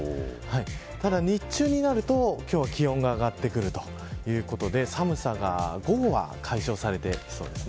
ただ、日中になると今日は気温が上がってくるということで寒さが午後は解消されてきそうです。